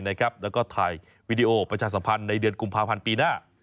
แล้วก็ถ่ายวีดีโอประชาสัมพันธ์ในเดือนกุมภาพันธ์ปีหน้า